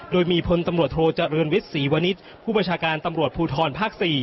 โดยมีพลตำรวจโทเจริญวิทย์ศรีวณิชย์ผู้บัญชาการตำรวจภูทรภาค๔